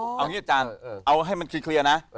เอางี้อาจารย์เอาให้มันเคลียร์นะ